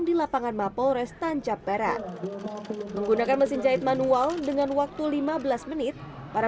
di lapangan mapolres tancap barat menggunakan mesin jahit manual dengan waktu lima belas menit para